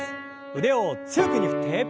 腕を強く上に振って。